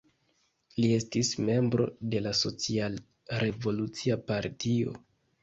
Li estis membro de la Social-Revolucia Partio.